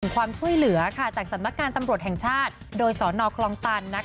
ความช่วยเหลือจากสำนักงานตำรวจแห่งชาติโดยสนคลองตัน